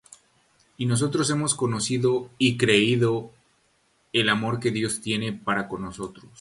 Y nosotros hemos conocido y creído el amor que Dios tiene para con nosotros.